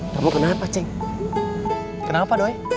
kamu kenapa ceng kenapa doi